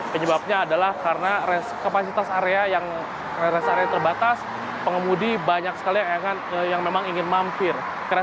penyebabnya adalah karena kapasitas area yang terbatas pengemudi banyak sekali yang memang ingin memfir